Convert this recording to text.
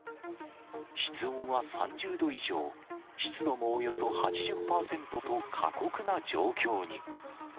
室温は３０度以上、湿度もおよそ８０％と、過酷な状況に。